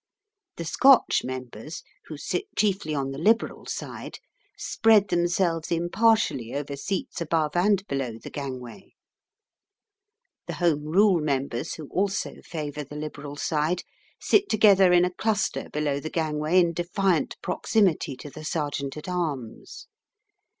The Scotch members, who sit chiefly on the Liberal side, spread themselves impartially over seats above and below the gangway. The Home Rule members, who also favour the Liberal side, sit together in a cluster below the gangway in defiant proximity to the Sergeant at Arms.